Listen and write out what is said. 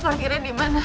pakirnya di mana